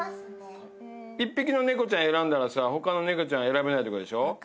１匹の猫ちゃん選んだらさ他の猫ちゃん選べないってことでしょ？